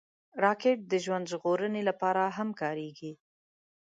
راکټ د ژوند ژغورنې لپاره هم کارېږي